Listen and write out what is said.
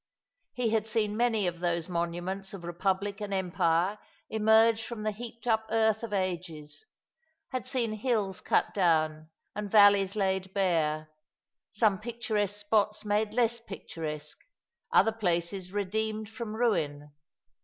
lie had seen many of those monuments of Eepublic and Empire emerge from the heaped up earth of ages ; had seen hills cut down, and vaXeys laid bare ; some picturesque spots made less picturesque; other places redeemed from ruin.